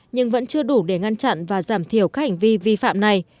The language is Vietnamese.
nhưng vẫn chưa đủ để ngăn chặn và giảm thiểu các hành vi vi phạm này